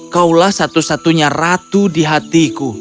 kau adalah satu satunya ratu di hatiku